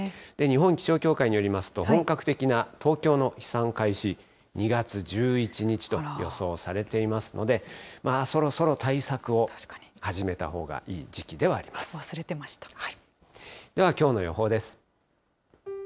日本気象協会によりますと、本格的な東京の飛散開始、２月１１日と予想されていますので、そろそろ対策を始めたほうがいい時期で忘れてました。